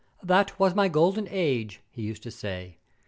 'That was my golden age!' he used to say.